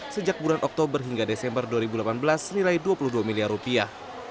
sejak bulan oktober hingga desember dua ribu delapan belas senilai dua puluh dua miliar rupiah